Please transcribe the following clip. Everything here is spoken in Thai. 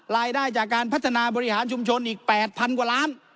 รายได้จากการพัฒนาบริหารชุมชนอีก๘๐๐๐กว่าล้าน